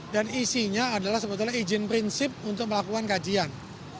dan isinya adalah sebetulnya izin prinsip untuk melakukan kajian